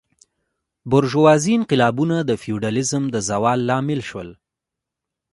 بورژوازي انقلابونه د فیوډالیزم د زوال لامل شول.